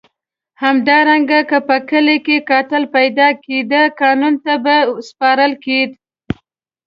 همدارنګه که په کلي کې قاتل پیدا کېده قانون ته به سپارل کېد.